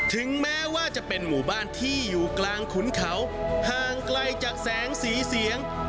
ถึงแม้ว่าจะเป็นหมู่บ้านที่อยู่กลางขุนเขาห่างไกลจากแสงสีเสียง